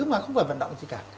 mà không phải vận động gì cả